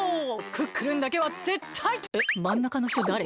クックルンだけはぜったいえっまんなかのひとだれ？